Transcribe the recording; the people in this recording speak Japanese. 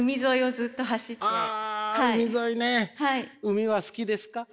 海は好きですか？